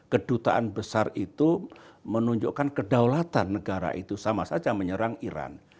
kedutaan besar itu menunjukkan kedaulatan negara itu sama saja menyerang iran